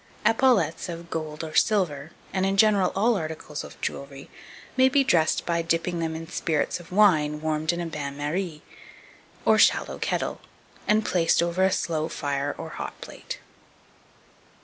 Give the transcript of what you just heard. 2287. Epaulettes of gold or silver, and, in general, all articles of jewellery, may be dressed by dipping them in spirits of wine warmed in a bain marie, or shallow kettle, placed over a slow fire or hot plate.